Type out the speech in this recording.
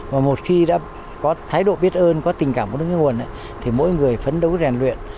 và một khi đã có thái độ biết ơn có tình cảm với nguồn thì mỗi người phấn đấu rèn luyện